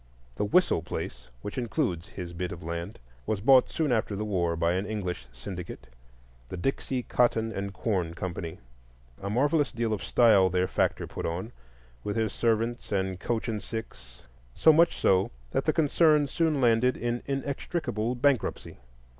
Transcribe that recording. The Whistle place, which includes his bit of land, was bought soon after the war by an English syndicate, the "Dixie Cotton and Corn Company." A marvellous deal of style their factor put on, with his servants and coach and six; so much so that the concern soon landed in inextricable bankruptcy.